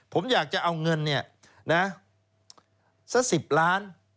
ผมอยากจะเอาเงินสัก๑๐ล้าน